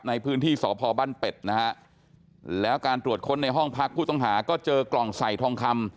ในพื้นที่สพบ้านเป็ดนะฮะแล้วการตรวจค้นในห้องพักผู้ต้องหาก็เจอกล่องใส่ทองคำ